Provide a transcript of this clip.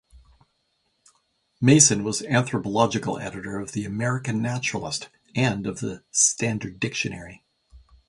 Mason was anthropological editor of the "American Naturalist" and of the "Standard Dictionary".